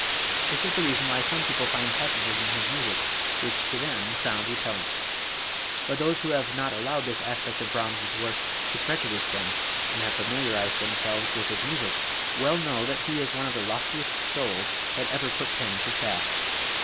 This is the reason why some people find passages in his music which to them sound repellant. But those who have not allowed this aspect of Brahms's work to prejudice them and have familiarized themselves with his music, well know that he is one of the loftiest souls that ever put pen to staff.